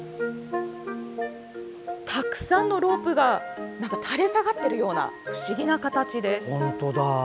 たくさんのロープが垂れ下がっているような不思議な形です。